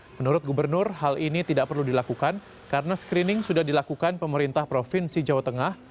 menurut gubernur hal ini tidak perlu dilakukan karena screening sudah dilakukan pemerintah provinsi jawa tengah